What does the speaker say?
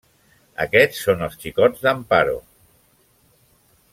Aquests són els xicots d'Amparo.